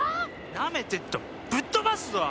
なめてっとぶっ飛ばすぞ！